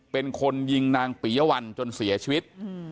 เป็นคนยิงนางปียวัลจนเสียชีวิต